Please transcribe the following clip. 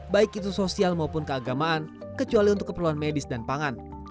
baik itu sosial maupun keagamaan kecuali untuk keperluan medis dan pangan